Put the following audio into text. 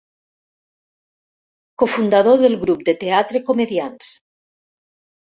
Cofundador del grup de teatre Comediants.